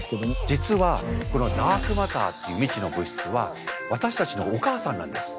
実はこのダークマターっていう未知の物質は私たちのお母さんなんです。